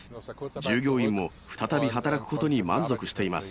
従業員も再び働くことに満足しています。